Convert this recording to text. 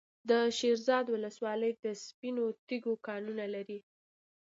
د شیرزاد ولسوالۍ د سپینو تیږو کانونه لري.